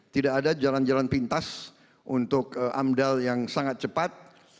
tidak ada jalan jalan pintas untuk amdal yang sangat cepat